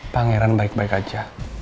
pangeran baik baik aja